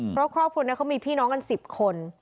เพราะครอบครัวนี้เขามีพี่น้องกัน๑๐คน